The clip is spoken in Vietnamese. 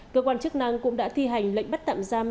cơ quan chức năng cũng đã thi hành lệnh bắt tạm giam